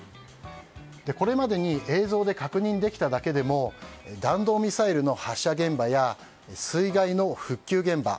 これまでに映像で確認できただけでも弾道ミサイルの発射現場や水害の復旧現場